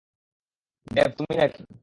Dave, তুমি নাকি?